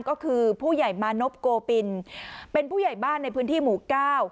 ก็คือผู้ใหญ่มานพโกปินเป็นผู้ใหญ่บ้านในพื้นที่หมู่เก้า